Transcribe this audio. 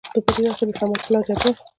نو په د وخت کې دصمد پلار جبار